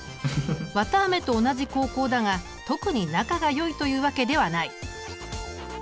ワタアメと同じ高校だが特に仲がよいというわけではない。